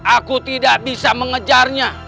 aku tidak bisa mengejarnya